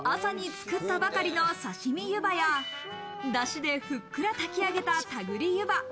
それでは、朝に作ったばかりのさしみゆばや、だしでふっくら炊き上げた、たぐりゆば。